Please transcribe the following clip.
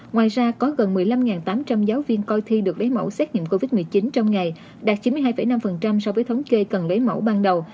ngoài ra có gần một mươi năm tám trăm linh giáo viên coi thi được lấy mẫu xét nghiệm covid một mươi chín trong ngày đạt chín mươi hai năm so với thống kê cần lấy mẫu ban đầu